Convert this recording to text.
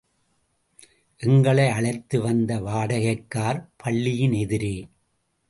எங்களை அழைத்து வந்த வாடகைக் கார், பள்ளியின் எதிரே.